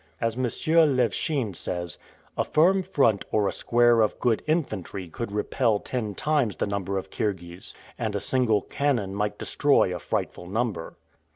As M. Levchine says, "a firm front or a square of good infantry could repel ten times the number of Kirghiz; and a single cannon might destroy a frightful number."